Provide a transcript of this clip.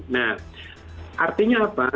nah artinya apa